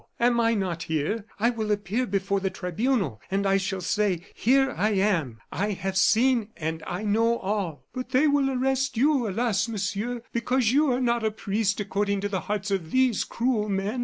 Am I not here? I will appear before the tribunal, and I shall say: 'Here I am! I have seen and I know all.'" "But they will arrest you, alas, Monsieur, because you are not a priest according to the hearts of these cruel men.